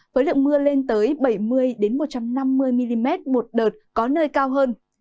với lượng mưa lên tới bảy mươi một trăm năm mươi mm một đợt có nơi cao hơn